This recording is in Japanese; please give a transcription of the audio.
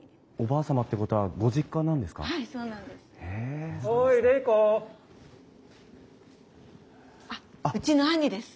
あっうちの兄です。